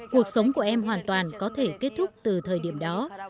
cuộc sống của em hoàn toàn có thể kết thúc từ thời điểm đó